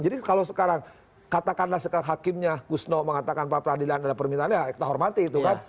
jadi kalau sekarang katakanlah sekarang hakimnya gusno mengatakan prapradilan dan permintaannya kita hormati itu kan